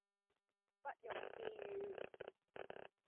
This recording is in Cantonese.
不容置喙